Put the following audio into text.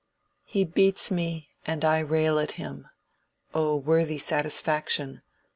He beats me and I rail at him: O worthy satisfaction!